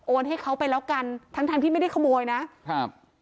ให้เขาไปแล้วกันทั้งทั้งที่ไม่ได้ขโมยนะครับ